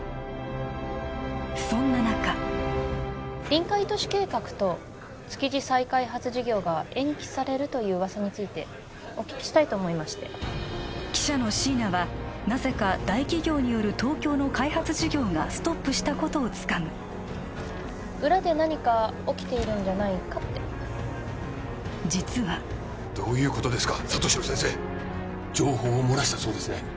そんな中臨海都市計画と築地再開発事業が延期されるという噂についてお聞きしたいと思いまして記者の椎名はなぜか大企業による東京の開発事業がストップしたことをつかむ裏で何か起きているんじゃないかって実はどういうことですか里城先生情報を漏らしたそうですね